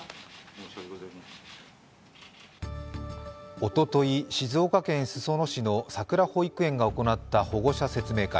おととい、静岡県裾野市のさくら保育園が行った保護者説明会。